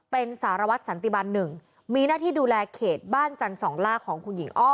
เป็นสารวัตรสันติบัน๑มีหน้าที่ดูแลเขตบ้านจันทร์สองล่าของคุณหญิงอ้อ